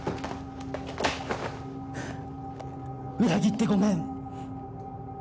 裏切ってごめん！